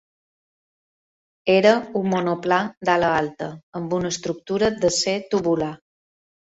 Era un monoplà d'ala alta amb una estructura d'acer tubular.